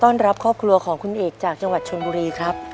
ก่อนต่อครอบครัวคุณเอกจากจังหวัดชนบุรีครับ